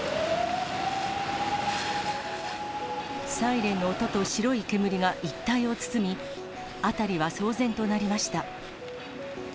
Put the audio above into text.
サイレンの音と白い煙が一帯を包み、辺りは騒然となりました。